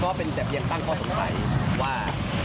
ก็เป็นแต่เพียงตั้งข้อสงสัยว่า